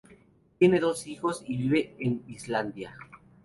Tiene dos hijos y vive en Islandia.